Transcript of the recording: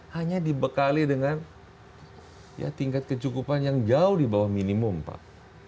hanya dibekali dengan tingkat kecukupan yang jauh di bawah minimum pak